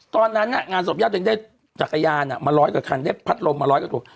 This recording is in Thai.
ตอนนั้นงานศพญาติตัวเองได้จักรยานมาร้อยกว่าคันได้พัดลมมาร้อยกว่าตัว